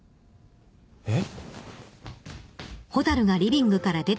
えっ？